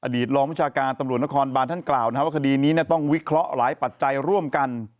รองวิชาการตำรวจนครบานท่านกล่าวว่าคดีนี้ต้องวิเคราะห์หลายปัจจัยร่วมกัน